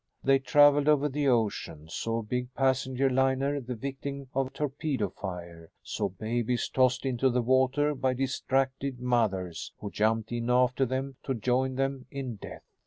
They traveled over the ocean; saw a big passenger liner the victim of torpedo fire; saw babies tossed into the water by distracted mothers who jumped in after them to join them in death.